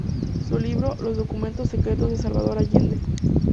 Su libro "Los documentos secretos de Salvador Allende.